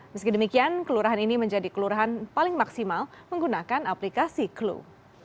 meski demikian kelurahan ini menjadi kelurahan paling maksimal menggunakan aplikasi clue